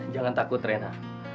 jangan takut rena